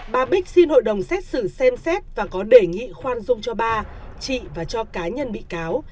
bà bích xin hội đồng xét xử xem xét và có đề nghị khoan dung cho bà chị và cho cá nhân bị cáo